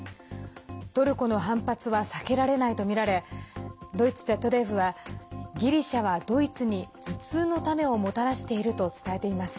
トルコの反発は避けられないとみられドイツＺＤＦはギリシャはドイツに頭痛の種をもたらしていると伝えています。